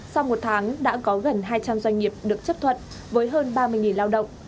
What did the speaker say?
sau một tháng đã có gần hai trăm linh doanh nghiệp được chấp thuận với hơn ba mươi lao động